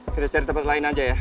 cari cari tempat lain aja ya